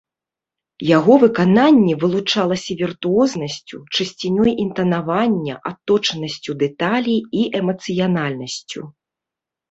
Яго выкананне вылучалася віртуознасцю, чысцінёй інтанавання, адточанасцю дэталей і эмацыянальнасцю.